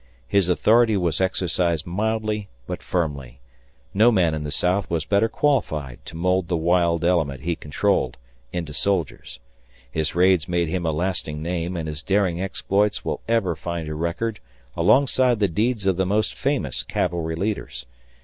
His authority was exercised mildly but firmly; no man in the South was better qualified to mould the wild element he controlled into soldiers. His raids made him a lasting name and his daring exploits will ever find a record alongside the deeds of the most famous cavalry leaders.